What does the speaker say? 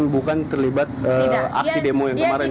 bukan terlibat aksi demo yang kemarin